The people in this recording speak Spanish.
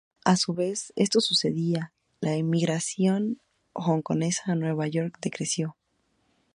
A su vez que esto sucedía, la inmigración hongkonesa a Nueva York decreció.